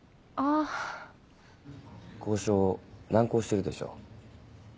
あぁ。交渉難航してるでしょ？